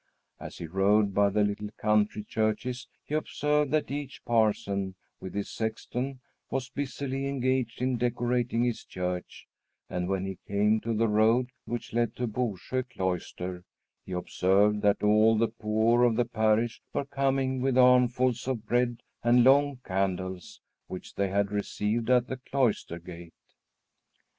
As he rode by the little country churches, he observed that each parson, with his sexton, was busily engaged in decorating his church; and when he came to the road which leads to Bösjo Cloister, he observed that all the poor of the parish were coming with armfuls of bread and long candles, which they had received at the cloister gate.